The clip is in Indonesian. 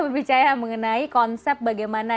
berbicara mengenai konsep bagaimana